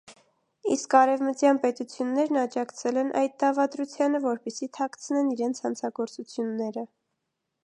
Իսկ արևմտյան պետություններն աջակցել են այդ դավադրությանը, որպեսզի թաքցնեն իրենց հանցագործությունները։